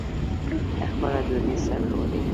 خپله ډوډۍ سرلوړي ده.